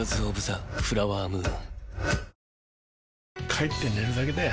帰って寝るだけだよ